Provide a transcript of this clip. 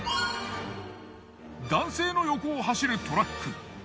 男性の横を走るトラック。